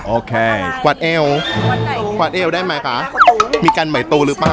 โอเคกวาดเอวกวาดเอวได้ไหมคะมีการใหม่โตหรือเปล่า